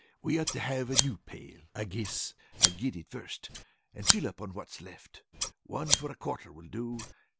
We ought to have a new pail. I guess I'll get it first, and fill up on what's left. One for a quarter will do.